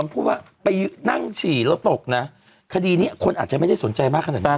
พูดว่าไปนั่งฉี่แล้วตกนะคดีนี้คนอาจจะไม่ได้สนใจมากขนาดนั้น